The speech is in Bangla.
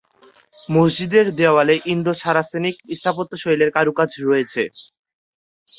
মসজিদের দেওয়ালে ইন্দো-সারাসেনিক স্থাপত্যশৈলীর কারুকাজ রয়েছে।